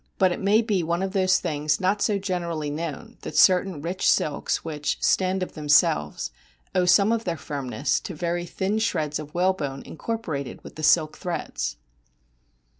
But it may be one of those things not so generally known that certain rich silks which "stand of them selves" owe some of their firmness to very thin shreds of whalebone incorporated with the silk threads